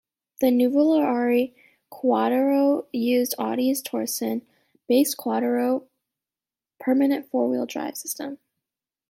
The Nuvolari quattro used Audi's Torsen-based quattro permanent four-wheel drive system.